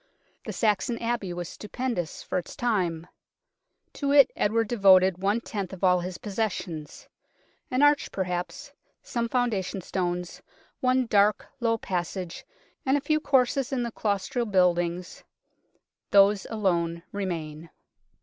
The Saxon Abbey was stupendous for its time. To it Edward devoted one tenth of all his possessions. An arch perhaps, some founda tion stones, one dark, low passage and a few courses in the claustral buildings these alone remain.